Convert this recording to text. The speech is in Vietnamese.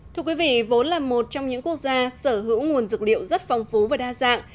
thưa quý vị vốn là một trong những quốc gia sở hữu nguồn dược liệu rất phong phú và đa dạng